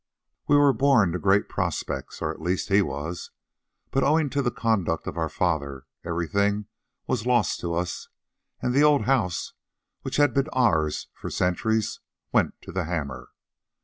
We were born to great prospects, or at least he was; but owing to the conduct of our father, everything was lost to us, and the old house, which had been ours for centuries, went to the hammer.